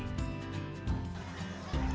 kedua di mana ada panggilan yang menarik